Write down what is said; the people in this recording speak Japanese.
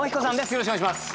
よろしくお願いします。